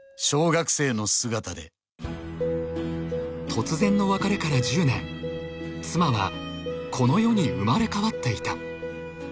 小学生の姿で突然の別れから１０年妻はこの世に生まれ変わっていた